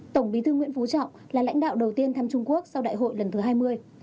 tổng bí thư nguyễn phú trọng là lãnh đạo đầu tiên thăm trung quốc sau đại hội lần thứ hai mươi